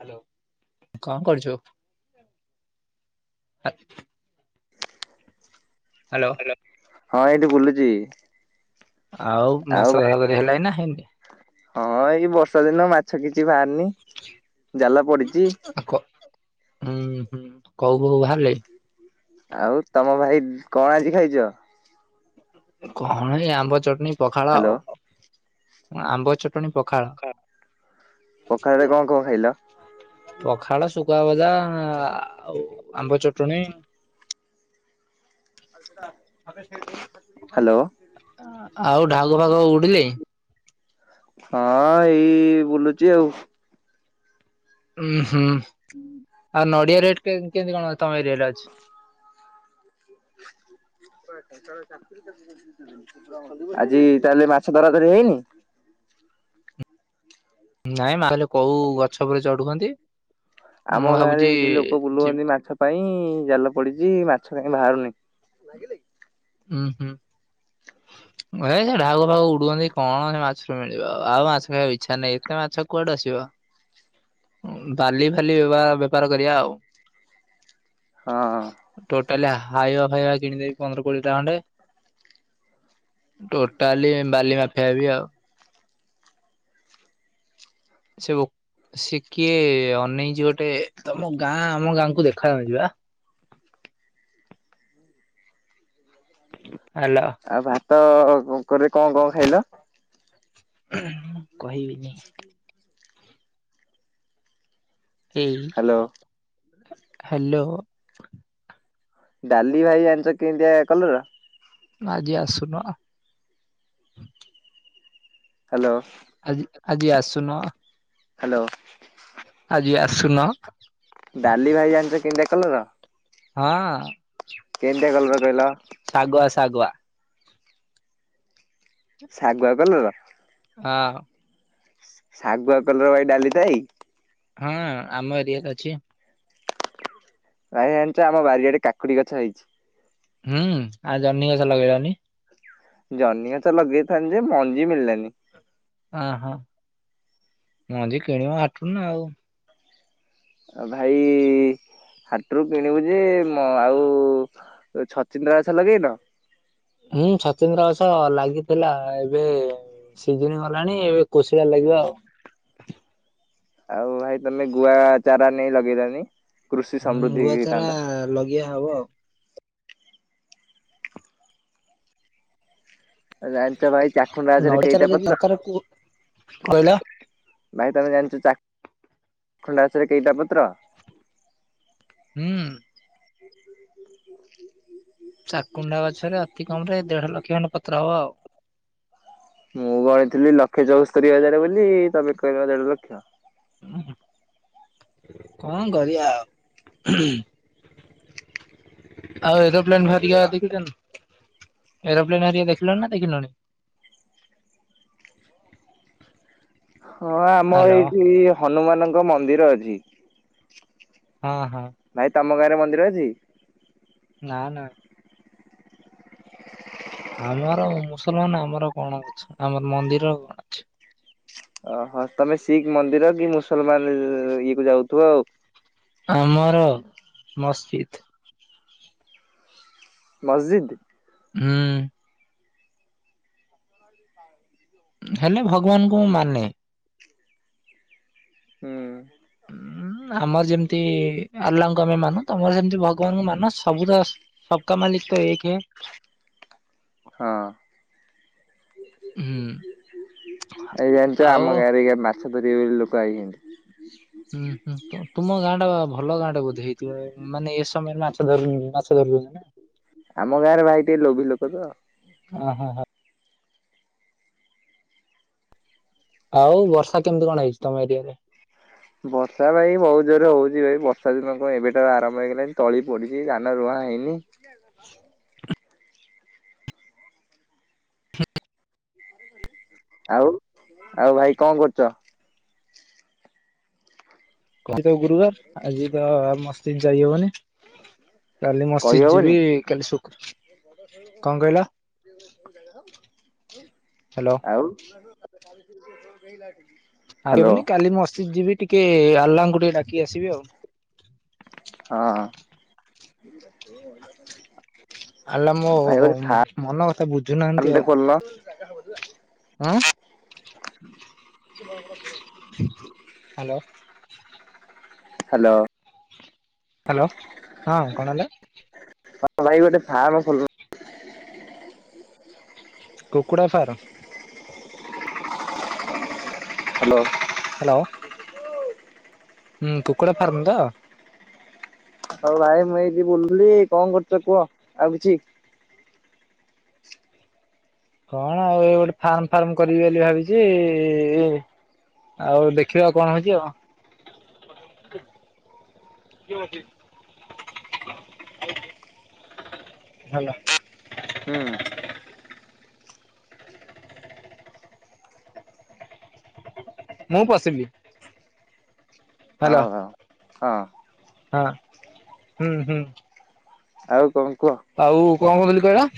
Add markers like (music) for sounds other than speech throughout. Hello କଣ କରୁଛୁ? ଆ ହ୍ୟାଲୋ ହଁ ଏଇଠି ବୁଲୁଚି ଆଉ ମାସ ଧରା ଧରି ହେଲାଣି ନା ହେଇନି? ହଁ ଏଇ ବର୍ଷା ଦିନ ମାଛ କିଛି ବାହାରିନି ଜାଲ ପଡିଛି ଆ କ ହୁଁ ହୁଁ କଉ କଉ ବାହାରିଲେ? ଆଉ ତମ ଭାଇ କଣ ଆଜି ଖାଇଛ? କଣ ଏ ଆମ୍ବ ଚଟଣି ପଖାଳ ହାଲୋ ଆଉ ଆମ୍ବ ଚଟ ଚଟଣି ପଖାଳ ପଖାଳରେ କଣ କଣ ଖାଇଲ? ପଖାଳ ଶୁଖୁଆ ଭଜା ଆଉ ଆଉଆମ୍ବ ଚଟଣୀ ଆଲ୍ ସେଟା ଆଉ ଢାଗ ଫାଗ ଉଡି଼ଲେ? ହଁ ଏଇ ବୁଲୁଚି ଆଉ। ଉଁ ହୁଁ ଆଉ ନଡ଼ିଆ ରେଟ୍ କେ କେନ୍ତି କଣ ତମ ଏରିଆରେ ଅଛି? ଆଜି ତାହେଲେ ମାଛ ଧରାଧରି ହେଇନି? ନାଇଁ ମା ହେଲେ କଉ ଗଛ ଉପରେ ଚଢ଼ୁଛନ୍ତି। ଆମ ଗାଁରେ ଏଇଠି ଲୋକ ଯି ବୁଲୁଅନ୍ତି ମାଛ ପାଇଁ ଜାଲ ପଡି଼ଚି ମାଛ କାଇଁ ଭାରୁନେଇ। ଉଁ ହୁଁ। ହ (unintelligible) ଏ ସେ ଢାଉକ ଫାଉକ ଉଡ଼ୁଅନ୍ତି କଣ ସେ ମାଛରୁ ମିଳିବ ଆଉ ମାଛ ଖାଇବାଉ ଇଚ୍ଛା ନାହିଁ ଏତେ ମାଛ କୁଆଡ଼ୁ ଆସିବ? ଉଁ ବାଲି ଫାଲି ବେବା ବେପାର କରିବା ଆଉ। ହଁ। ଟୋଟାଲି ହାଇବା ଫାଇବା କିଣିଦେବି ପନ୍ଦର କୋଡ଼ିଏଟା ଖଣ୍ଡେ ଟୋଟାଲି ବାଲି ମାଫିଆ ହେବି ଆଉ। ସେ ଓ ସେ କିଏ ଅନେଇଚି ଗୋଟେ ତମ ଗାଁ ଆମ ଗାଁକୁ ଦେଖାଯାଉଚି ବା। ହାଲୋ। ଆଉ ଭାତ କକରେ କଁ କଁ ଖାଇଲ? କହିବିନି। ଏଇ, ହାଲୋ ହାଲୋ। ଡାଲି ଭାଇ ଜାଣିଚ କେନ୍ତିଆ କଲର୍? ଆଜି ଆସୁନ। ହାଲୋ। ଆଜି ଆଜି ଆସୁନ। ହାଲୋ। ଆଜି ଆସୁନ। ଡାଲି ଭାଇ ଜାଣିଚ କେନ୍ତିଆ କଲର? ହଁ। କେନ୍ତିଆ କଲର କହିଲ। ଶାଗୁଆ ଶାଗୁଆ। ଶାଗୁଆ କଲର? ଅ। ଶାଗୁଆ କଲର ଭାଇ ଡାଲି ଥାଇ? ହଁ ଆମ ଏରିଆରେ ଅଛି। ଭାଇ ଜାଣିଚ ଆମ ବାରିଆଡ଼େ କାକୁଡ଼ି ଗଛ ହେଇଚି। ହୁଁ ଆଉ ଜହ୍ନି ଗଛ ଲଗେଇନି। ଜହ୍ନି ଗଛ ଲଗେଇଥାନ୍ତି ଯେ ମଞ୍ଜି ମିଳିଲାନି। ଅଁ ହଁ ମଞ୍ଜି କିଣିବ ହାଟୁରୁ ନା ଆଉ। ଅ ଭାଇ ହାଟୁରୁ କିଣିବୁ ଯେ ମ ଆଉ ଛ ଚିନ୍ଦ୍ରା ଗଛ ଲଗେଇନ? ଉଁ ଛଚିନ୍ଦ୍ରା ଗଛ ଲାଗିଥିଲା ଏବେ ସିଜିନି ଗଲାଣି ଏବେ କୋଶିଳା ଲାଗିବ ଆଉ। ଆଉ ଭାଇ ତମେ ଗୁଆ ଚାରା ନେଇ ଲଗେଇଲନି? କୃଷି ହୁଁ ସମୃଦ୍ଧି ଗୁଆଚାରା ହେଇଥାନ୍ତା ଲଗିଆ ହବ ଆଉ। ଆଉ ଜାଣିଚ ଭାଇ ଚାଖୁଣ୍ଡା ଗଛରେ ନଡିଆ ଚାରା କେଇଟା ଯଦି ପତ୍ର? ଦରକାର କୁ କହିଲ ଭାଇ ତମେ ଜାଣିଚ ଚା ଖୁଣ୍ଡା ଗଛରେ କେଇଟା ପତ୍ର? ହୁଁ। ଚାକୁଣ୍ଡା ଗଛରେ ଅତି କମ୍ ରେ ଦେଢ଼ ଲକ୍ଷ ଖଣ୍ଡେ ପତ୍ର ହବ ଆଉ। ମୁଁ ଗଣିଥିଲି ଲକ୍ଷେ ଚଉସ୍ତରୀ ହଜାରେ ବୋଲି ତମେ କହିଲ ଦେଢ଼ ଲକ୍ଷ। କଣ କରିଆ ଆଉ, ଆଉ ଏରୋପ୍ଲେନ୍ ବାହାରିଆ ଦେଖିଛନ୍ତି? ଏରୋପ୍ଲେନ ଭାରିଆ ଦେଖିଲ ନା ଦେଖିଲଣି? ହଁ ଆମର ହ୍ୟାଲୋ ଏଇଠି ହନୁମାନଙ୍କ ମନ୍ଦିର ଅଛି। ହଁ ହଁ। ଭାଇ ତମ ଗାଁରେ ମନ୍ଦିର ଅଛି? ନା ନା। (unintelligible) ଆମର ମୁସଲମାନ ଆମର କଣ ଅଛି, ଆମର ମନ୍ଦିର ଅଛି। ଓହୋ ତମେ ଶିଖ୍ ମନ୍ଦିର କି ମୁସଲମାନ ଇଏ କୁ ଯାଉଥିବ ଆଉ। ଆମର ମସଜିଦ୍। ମସଜିଦ୍। ହୁଁ। (unintelligible) ହେଲେ ଭଗବାନଙ୍କୁ ମୁଁ ମାନେ। ହୁଁ। ଉଁ ଆମର ଯେମିତି ଆଲ୍ଲାଙ୍କୁ ଆମେ ମାନୁ ତମର ସେମିତି ଭଗବାନଙ୍କୁ ମାନ ସବୁ ତ ସବକା ମାଲିକ ତ ଏକ ହେ। ହଁ। ହୁଁ। ଏଇ ଜାଣିଛ ଆଉ ଆମ ଗାଁରେ ଏଇନିକା ମାଛ ଧରିବେ ବୋଲି ଲୋକ ଆଇଛନ୍ତି, ହୁଁ ହୁଁ ତୁମ ଗାଁ ଟା ଭଲ ଗାଁ ଟା ବୋଧେ ହେଇଥିବ ମାନେ, ଏ ସମୟରେ ମାଛ ଧରୁନି ମାଛ ଧରୁନ, ଆମ ଗାଁରେ ଭାଇ ଟିକେ ଲୋଭ ଲୋକ ତ ହ ହ। ଆଉ ବର୍ଷା କେମିତି କଣ ହେଇଛି ତମ ଏରିଆରେ? ବର୍ଷା ଭାଇ ବହୁତ ଜୋରରେ ହଉଛି ଭାଇ ବର୍ଷା ଦିନ କଣ ଏବେଟା ଆରମ୍ ହେଇଲାଣି ତଳି ପଡିଛି ଧାନ ରୁଆଁ ହେଇନି, ହ ହ ଆଉ ଆଉ ଭାଇ କଣ କରୁଛ? ଆଜି ତ ଗୁରୁବାର ଆଜି ତ ମସଜିଦ୍ ଯାଇହବନି, କାଲି ମସଜିଦ ଯିବି କହିହବନି କାଲି ଶୁକ୍ର କଣ କହିଲ? ହ୍ୟାଲୋ। ଖାଇଲଣି? ଆବନି କାଲି ମସଜିଦ ଯିବି ଟିକେ ଆହ୍ଲାଙ୍କୁ ଟିକେ ଡାକି ଆସିବି ଆଉ, ହଁ। ଆଲ୍ଲା ମୋ ଟିକେ ମନ ଖୋଲିଲ ଆଁ। ହ ହ୍ୟାଲୋ। ହ୍ୟାଲୋ। ହ୍ୟାଲୋ। ହଁ କଣ ହେଲା? ହଁ ତମ ଭାଇ ଗୋଟେ ଫାର୍ମ ଖଲ, କୁକୁଡ଼ା ଫାର୍ମ? ହ୍ୟାଲୋ। ହ୍ୟାଲୋ। ହୁଁ କୁକୁଡ଼ା ଫାର୍ମ ତ? ହଉ ଭାଇ ମୁଇଁ ଏଇଠି ବୁଲୁଥିଲି କଣ କରୁଛ କୁହ ଆଉ କିଛି କଣ ଆଉ ଏଇ ଗୋଟେ ଫାର୍ମ ଫାର୍ମ କରିବି ବୋଲି ଭାବିଛି ଇ ଆଉ ଦେଖିବା କଣ ହଉଛି ଆଉ। (inaudible) ହଁଠ (inaudible) ଭଲ। ହୁଁ। ମୁଁ ପଶିଲି ବି ହେଲା। ହଉ ହଉ ହଁ ହଁ ହୁଁ ହୁଁ। ଆଉ କଣ କୁହ। ଆଉ କଣ କହୁଥିଲି କହିଲ?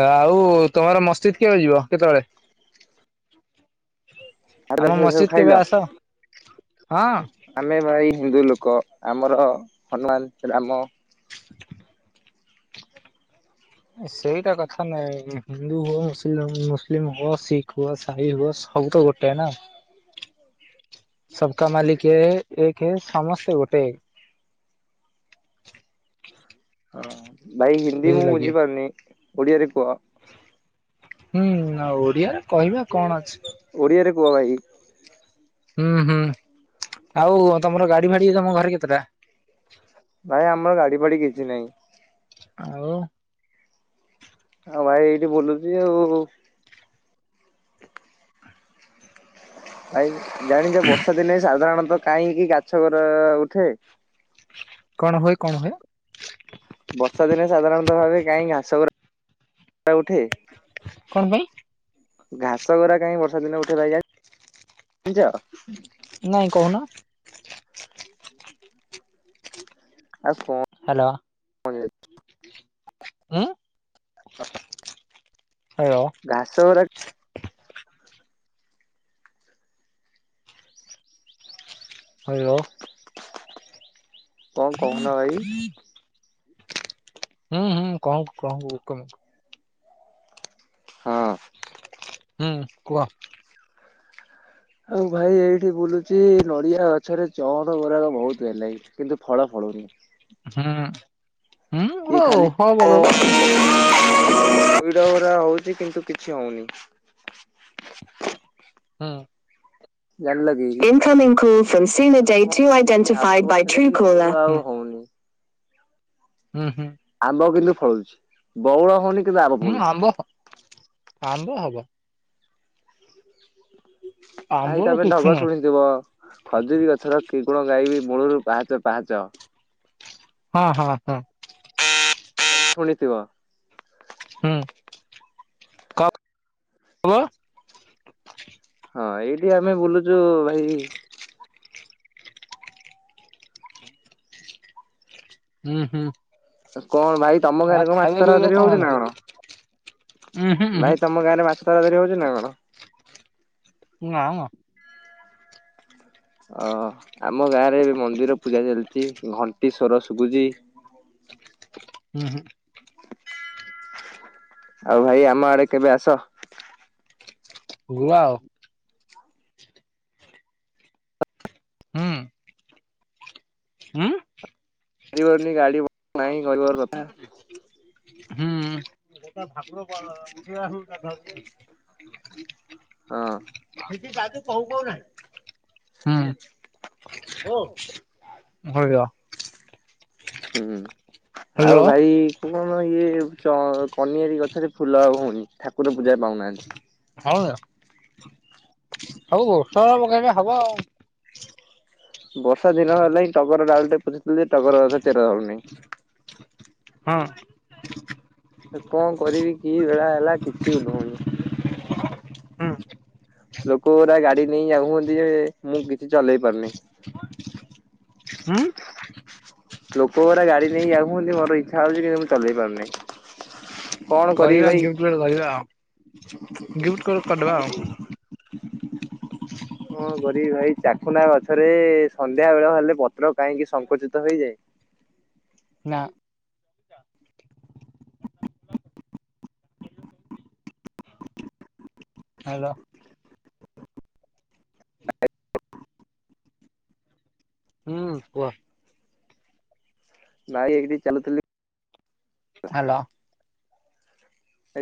ଆଉ ତମର ମସ୍ଜିଦ୍ କେବେ ଯିବ କେତେବେଳେ? (inaudible) ଆମ ସବୁ ମସଜିଦ ଖାଇଲ? କେବେ ଆସ ହଁ। ଆମେ ଭାଇ ହିନ୍ଦୁ ଲୋକ ଆମର ହନୁମାନ ରାମ ସେଇଟା କଥା ନୁହେଁ ଭାଇ ହିନ୍ଦୁ ହୁଅ ମୁସ୍ଲିମ ମୁସଲିମ ହୁଅ ଶିଖ ହୁଅ ସାହି ହୁଅ ସବୁ ତ ଗୋଟେ ନା (inaudible) ସବକା ମାଲିକ ହେ ଏକ ହେ ସମସ୍ତେ ଗୋଟେ। ହଁ ଭାଇ ହିନ୍ଦୀ ମୁଁ ବୁଝିଲ କି ବୁଝିପାରୁନି ଓଡିଆରେ କୁହ। ହୁଁ ଆ ଓଡିଆରେ କହିବା କଣ ଅଛି। ଓଡିଆରେ କୁହ ଭାଇ। ହୁଁ ହୁଁ ଆଉ ତମର ଗାଡି ଫାଡି ତମ ଘରେ କେତେଟା? ଭାଇ ଆମର ଗାଡି ଫାଡି କିଛି ନାଇଁ। ଆଉ। ଆଉ ଭାଇ ଏଇଠି ବୁଲୁଛି ଆଉ। ଭାଇ ଜାଣିଛ ବର୍ଷା ଦିନେ ସାଧାରଣତଃ କାହିଁକି ଗାଛଗୁରା ଉଠେ। କଣ ହୁଏ କଣ ହୁଏ? ବର୍ଷା ଦିନେ ସାଧାରଣତଃ ଭାବେ କାହିଁ ଘାସ ଗୁରା ଉଠେ। କଣ ପାଇଁ? ଘାସ ଗୁରା କାହିଁ ବର୍ଷା ଦିନେ ଉଠେ ଭାଇ ଜାଣିଚ। ନାଇଁ କହୁନ। ହ ଆସ କୁହ (inaudible) ହ୍ୟାଲୋ। ମୁ (inaudible) ଉଁ ହାଲୋ। ଘାସ ଗୁରା ହ୍ୟାଲୋ। କଣ କହୁନା ଭାଇ? ହୁଁ ହୁଁ କହୁଚି କହୁଚି ଗୋଟେ ମିଣ୍ଟି। ହଁ। ହୁଁ କୁହ? ଆଉ ଭାଇ ଏଇଠି ବୁଲୁଚି ନଡିଆ ଗଛରେ ଚଅଁର ଗୁରାକ ବହୁତ ହେଲା ଏଇଠି କିନ୍ତୁ ଫଳ ଫଳୁନି। ହୁଁ ହୁଁ ଇଏ ଗୋଟେ ଖାଲି (inaudible) ଆଉ (unintelligible) ହଉଛି କିନ୍ତୁ କିଛି ହଉନି ହୁଁ। ଇନ୍ମି ଫଥଥ କୋ ହୁଁ (unintelligible) ହୁଁ ହୁଁ। ଆମ୍ବ କିନ୍ତୁ ଫଳୁଛି ବଉଳ ହଉନି କିନ୍ତୁ ହୁଁ ଫଳୁଛି ଆମ୍ବ ଆମ୍ବ ହବ। ଆାଇ ଆମ୍ବ ତାପରେ କିଛି ଢଗ ନୁହଁ ଶୁଣି ଖଜୁରୀ ଗଛର କି ଗୁଣ ଗାଇବି ମୂଳୁରୁ ପାହାଚ ପାହାଚ। ହଁ ହଁ ହଁ। ଶୁଣିଥିବ। ହୁଁ। (unintelligible) ହଁ ଏଇଠି ଆମେ ବୁଲୁଛୁ ଭାଇ। ହୁଁ ହୁଁ। କଣ ଭାଇ ତମ ଆଉ ଗାଁରେ କଣ ମାଛ ଖାଇବା ପିଇବା ଧରତରି ହଉଛି ନା ଅଛି କଣ ଉଁ ହୁଁ ଉଁ ହୁଁ ଭାଇ ତମ ଗାଁରେ ମାଛ ତ ହଉଛି ନା କଣ? ନାମ। ଓ ଆମ ଗାଁରେ ଏ ମନ୍ଦିର ପୂଜା ଚାଲିଛି ଘଣ୍ଟି ସଵର ଶୁବୁଚି। ହ ହୁଁ ହୁଁ। ଆଉ ଭାଇ ଆମ ଆଡେ କେବେ ଆସ। ଗୁଆ ଆଉ। ହୁଁ ହୁଁ ପାରୁନି ଗାଡ଼ି ଭଲ ନାହଁ ଗରିବ ଘର କଥା। ହୁଁ। ଉଠ ଆାଧର (unintelligible) ସେଠି ହଁ। ଯଜୁ କହୁ କହୁ ନାହିଁ ହୁଁ। (inaudible) ହୁଁ ହ୍ୟାଲୋ ଆଉ ଭାଇ କଣ ଇଏ କନିଆର ଗଛରେ ଫୁଲ ହଉନି ଠାକୁର ପୂଜା ପାଉନାହାନ୍ତି। ହଁ ସବଔଷଧ ପକେଇବା ହବ ଆଉ। ବର୍ଷା ଦିନ ହେଲାିଁ ଟଗର ଡାଲ ଟେ ପୋଥିଲ ଯେ ଟଗର କଥା ଚେର ଧରୁନେଇ। ହଁ। କଣ କରିବି କି ବେଳା ହେଲା କିଛି ଉଧଉନି। ହୁଁ। ଲୋକ ଗା ଗାଡି ନେଇ ଯାଉ ହୁନ୍ତି ଯେ ମୁଁ କିଛି ଚଲେଇ ପାରୁନି। ହୁଁ ଲୋକ ପରା ଗାଡି ନେଇକି ଯାଉ ହୁନ୍ତି ମୋର ଇଚ୍ଛା ହଉଛି କିନ୍ତୁ ମୁଁ ଚଲେଇ ପାରୁନି। କଣ କରିବି କରିବା ଭାଇ? ଗିଫ୍ଟ କ କରିବା ଆଉ ଗିଫ୍ଟ କ କରିଦବା ଆଉ। ହଁ ଗ ଭାଇ ଚାଖନା ଗଛରେ ସନ୍ଧ୍ୟା ବେଳ ହେଲେ ପତ୍ର କାହିଁକି ସଙ୍କୁଚିତ ହୋଇଯାଏ। ନା। ହ୍ୟାଲୋ। ହୁଁ କୁହ। ନାଇଁ ଏଠି ଚାଲୁଥିଲି ହ୍ୟାଲୋ।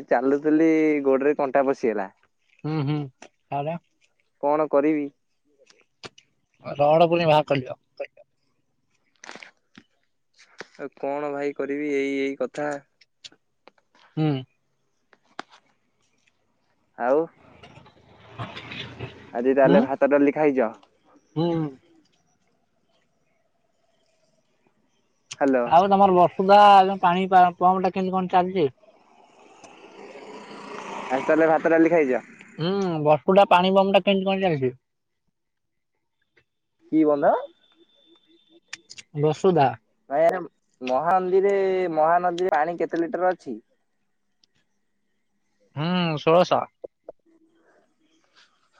ଏ ଚାଲୁଥିଲି ଗୋଡରେ କଣ୍ଟା ପଶିଗଲା। ହୁଁ ହୁଁ ଆରେ। କଣ କରିବି। ରଡ ପୁରେ଼ଇ ବାହାର କରିିଦିଅ। ଆଉ କଣ ଭାଇ କରିବି ଏଇ ଏଇ କଥା। ହୁଁ। ଆଉ। (inaudible) ଆଜି ତାହେଲେ ଭାତ ଡାଲି ଖାଇଛ। ହୁଁ ହୁଁ। ହ୍ୟାଲୋ। ଆଉ ତମର ବର୍ଷୁଧା ପାଣି ପମ୍ପ ଟା କେମିତି କଣ ଚାଲିଛି। ଆଜି ତାହେଲେ ଭାତ ଡାଲି ଖାଇଛ। ହୁଁ ବର୍ଷୁ ଟା ପାଣି ବମ ଟା କେମିତି କଣ ଚାଲିିଛି। କି ବନ୍ଧ ବସୁଧା। ଭାଇ ଆ ମହାନଦୀରେ, ମହାନଦୀରେ ପାଣି କେତେ ଲିଟର ଅଛି? ହୁଁ ଷୋଳଶହ।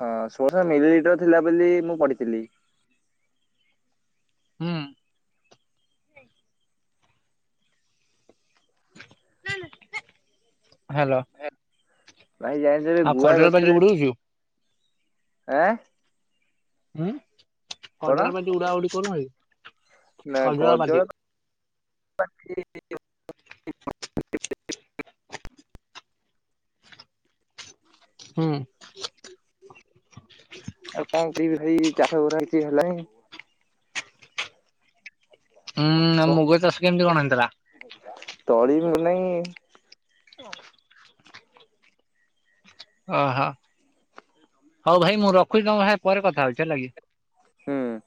ହଁ ଶୋ ଶ ମିଲିଲିଟର ଥିଲା ବୋଲି ମୁଁ ପଢିଥିଲି। ହୁଁ ଉଁ। ହାଲୋ। ଭାଇ ଜାଣିଛ ଏବେ ଗୁଆ କଜଳ ପାତି ଗଛରେ, ଉଡଉଛୁ? ଆଁ ହୁଁ କଣ ଖଜଳ ପାଟି ଉଡା ଉଡି କରୁ ଖଜଳ ପାଟି। ପାକ୍ଷି ହୁଁ ଆଉ କଣ ପିଇବି ଭାଇ, ଚାଷ ଗୁରା କିଛି ହେଲାନି। ହୁଁ କଣ ମୁଗ ଚାଷ କେମିତି କଣ ହେଇଥିଲା? ତଳି ମିଳୁନାହିଁ। (inaudible) ଓହୋ, ହଉ ଭାଇ ମୁଁ ରଖୁଛିି କଣ ଭାଇ ପରେ କଥା ହଉଛି ହେଲା କି? ହୁଁ ଉଁ